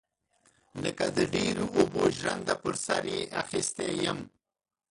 لکه د ډيرو اوبو ژرنده پر سر يې اخيستى يم.